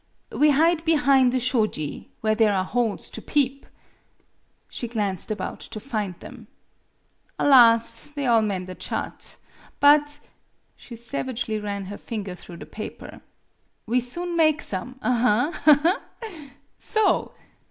We hide behine the shoji, where there are holes to peep." She glanced about to find them. "Alas! they all mended shut! But" she sav agely ran her finger through the paper "we soon make some, aha, ha, ha! So!"